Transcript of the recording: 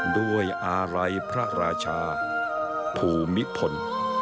ด้วยอาลัยพระราชาภูมิพล